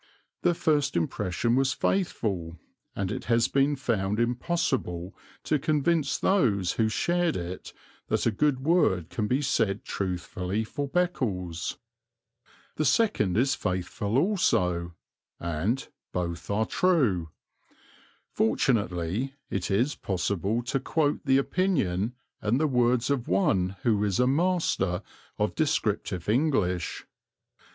The first impression was faithful, and it has been found impossible to convince those who shared it that a good word can be said truthfully for Beccles. The second is faithful also, and both are true. Fortunately it is possible to quote the opinion and the words of one who is a master of descriptive English.